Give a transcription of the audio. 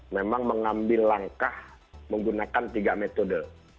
memang mengambil langkah menggunakan tiga metode